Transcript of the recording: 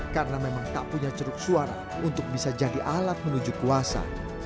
karena memang tak punya ceruk suara untuk bisa jadi alat menuju kuasa